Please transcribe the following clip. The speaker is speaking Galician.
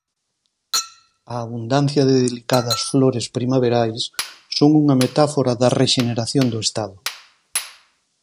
A abundancia de delicadas flores primaverais son unha metáfora da rexeneración do Estado.